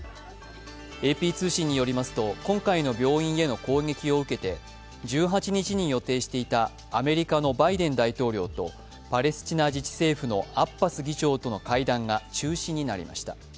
ＡＰ通信によりますと、今回の病院への攻撃を受けて１８日に予定していたアメリカのバイデン大統領とパレスチナ自治政府のアッバス議長との会談が中止になりました。